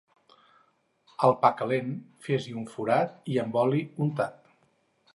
Al pa calent, fes-hi un forat i amb oli untat.